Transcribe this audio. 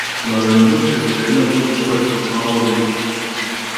Лавиринтот чија средина бил човек со глава од бик.